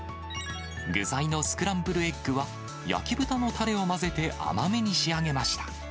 具材のスクランブルエッグは、焼き豚のたれを混ぜて甘めに仕上げました。